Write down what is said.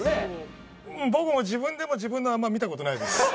僕も自分でも自分のあんまり見た事ないです。